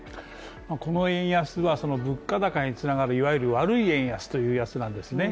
この円安は物価高につながるいわゆる悪い円安というやつなんですね。